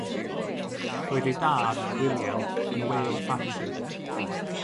Roedd ei dad, William, yn wëwr ffatri.